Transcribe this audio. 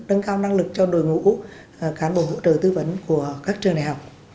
nâng cao năng lực cho đội ngũ cán bộ hỗ trợ tư vấn của các trường đại học